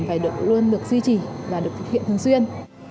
cái công tác mà phải luôn được duy trì và được thực hiện thường xuyên